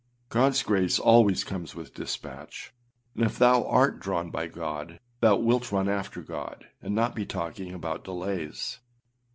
â Godâs grace always comes with dispatch; and if thou art drawn by God, thou wilt run after God, and not be talking about delays.